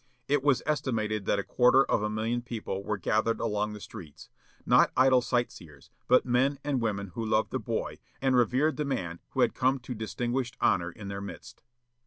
It was estimated that a quarter of a million people were gathered along the streets; not idle sight seers, but men and women who loved the boy, and revered the man who had come to distinguished honor in their midst.